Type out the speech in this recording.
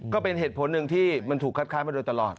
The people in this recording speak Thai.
ก็เป็นเหตุผลหนึ่งที่มันถูกคัดค้านมาโดยตลอด